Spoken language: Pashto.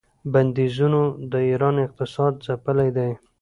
بندیزونو د ایران اقتصاد ځپلی دی.